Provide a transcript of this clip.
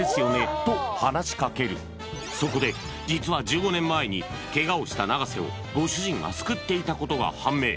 と話しかけるそこで実は１５年前にケガをした永瀬をご主人が救っていたことが判明